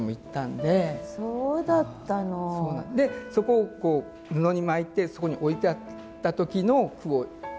でそこを布に巻いてそこに置いてあった時の句を。